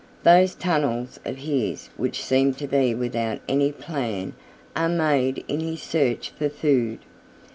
Those tunnels of his which seem to be without any plan are made in his search for food.